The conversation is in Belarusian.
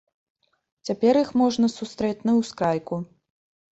Цяпер іх можна сустрэць на ускрайку.